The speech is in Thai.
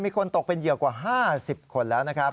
มีคนตกเป็นเหยื่อกว่า๕๐คนแล้ว